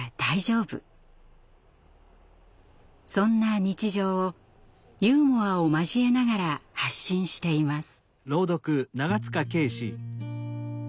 そんな日常をユーモアを交えながら発信しています。